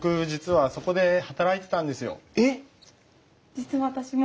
実は私も。